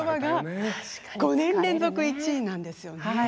５年連続１位なんですよね。